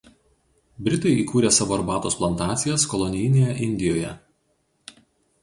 Britai įkūrė savo arbatos plantacijas kolonijinėje Indijoje.